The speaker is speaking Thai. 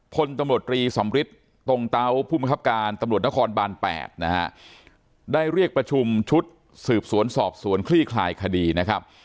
คนตำรวจฟรีสำฤิษฐ์ตรงเตาผู้มีความกลับการตำรวจนครบาลไได้เรียกประชุมชุดสืบสวนสอบสวนคลี่คลายคดีนะครับ